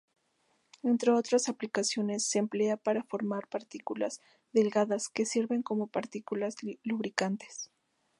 Entre otras aplicaciones, se emplea para formar partículas delgadas que sirven como partículas lubricantes.